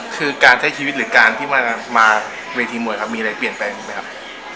คือการใช้ชีวิตหรือการที่มาเวทีมวยมีอะไรเปลี่ยนไปไหมค่ะ